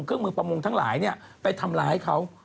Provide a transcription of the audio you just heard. เครื่องมือประมงทั้งหลายไปทำร้ายเขา